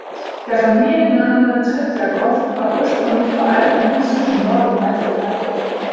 Der Familienname Tretjakow war ursprünglich vor allem im russischen Norden weit verbreitet.